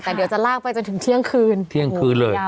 แต่เดี๋ยวจะลากไปจนถึงเที่ยงคืนเที่ยงคืนเลย